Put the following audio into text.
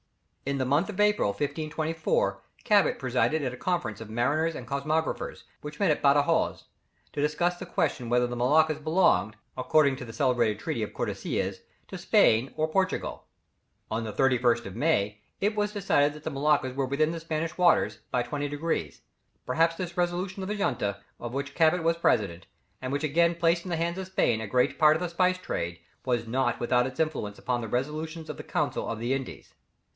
[Illustration: Cabot presides over a Conference of Cosmographers.] In the month of April, 1524, Cabot presided at a conference of mariners and cosmographers, which met at Badajoz, to discuss the question whether the Moluccas belonged, according to the celebrated treaty of Tordesillas, to Spain or Portugal. On the 31st of May, it was decided that the Moluccas were within the Spanish waters, by 20 degrees. Perhaps this resolution of the junta of which Cabot was president, and which again placed in the hands of Spain a great part of the spice trade, was not without its influence upon the resolutions of the council of the Indies.